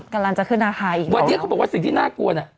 วันนี้เค้าบอกว่าสิ่งที่น่ากลัว